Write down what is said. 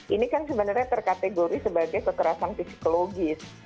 ini kan sebenarnya terkategori sebagai kekerasan psikologis